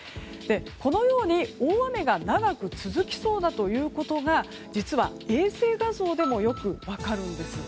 このように大雨が長く続きそうだということが実は衛星画像でもよく分かるんです。